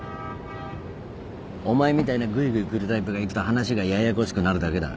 お前みたいなグイグイくるタイプが行くと話がややこしくなるだけだ。